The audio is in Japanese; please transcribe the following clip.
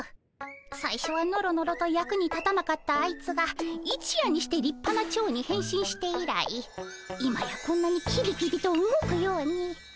さいしょはノロノロと役に立たなかったあいつが一夜にしてりっぱなチョウに変身して以来今やこんなにキビキビと動くように。